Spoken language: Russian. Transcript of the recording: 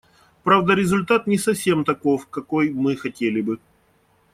Правда, результат не совсем таков, какой мы хотели бы.